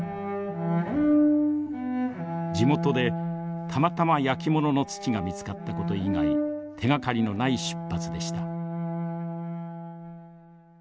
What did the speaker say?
地元でたまたまやきものの土が見つかったこと以外手がかりのない出発でした。